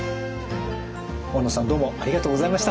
大野さんどうもありがとうございました。